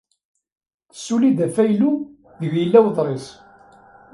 Tessuli-d afaylu deg yella weḍris.